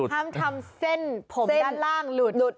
ห้ามทำเส้นผมด้านล่าง